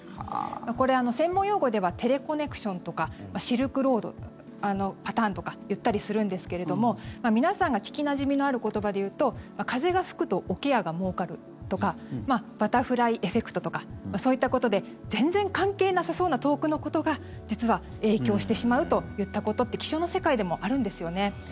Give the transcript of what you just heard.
これ、専門用語ではテレコネクションとかシルクロードパターンとかいったりするんですけれども皆さんが聞きなじみのある言葉でいうと風が吹くと桶屋がもうかるとかバタフライエフェクトとかそういったことで全然関係なさそうな遠くのことが実は影響してしまうといったことって気象の世界でもあるんですよね。